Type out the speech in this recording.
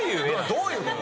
どういうこと？